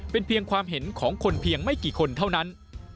เป็นเพียงความเห็นของคนเพียงไม่กี่คนเท่านั้น